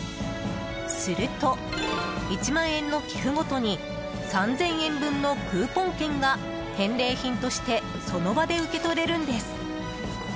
すると、１万円の寄付ごとに３０００円分のクーポン券が返礼品としてその場で受け取れるんです。